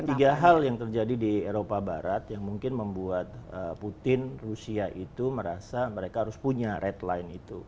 ada tiga hal yang terjadi di eropa barat yang mungkin membuat putin rusia itu merasa mereka harus punya red line itu